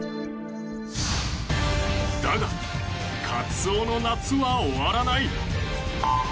だが、カツオの夏は終わらない。